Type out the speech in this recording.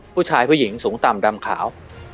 ผู้ชายผู้หญิงสูงต่ำดำขาว